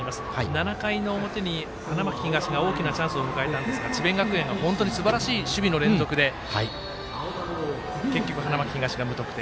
７回の表に花巻東が大きなチャンスを迎えたんですが、智弁学園がすばらしい守備の連続で結局、花巻東が無得点。